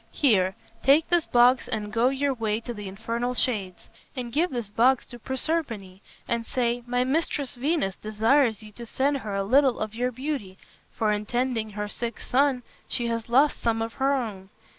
Here, take this box and go your way to the infernal shades, and give this box to Proserpine and say, 'My mistress Venus desires you to send her a little of your beauty, for in tending her sick son she has lost some of her own.'